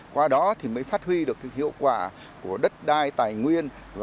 qua đó thì mới phát huy được hiệu quả của đất đai tài nguyên